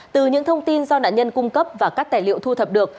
từ những thông tin do nạn nhân cung cấp và các tài liệu thu thập được